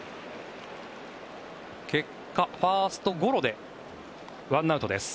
結果、ファーストゴロで１アウトです。